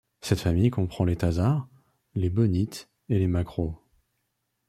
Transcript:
Cette famille comprend les thazards, les bonites et les maquereaux.